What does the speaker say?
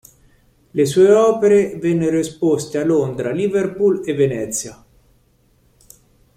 Le sue opere vennero esposte a Londra, Liverpool e Venezia.